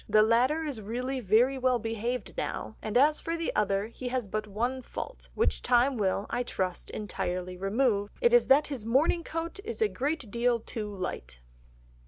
The latter is really very well behaved now, and as for the other he has but one fault, which time will, I trust, entirely remove, it is that his morning coat is a great deal too light."